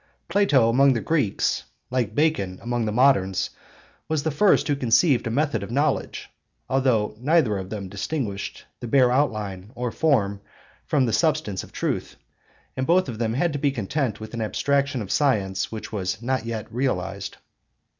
Plato among the Greeks, like Bacon among the moderns, was the first who conceived a method of knowledge, although neither of them always distinguished the bare outline or form from the substance of truth; and both of them had to be content with an abstraction of science which was not yet realized.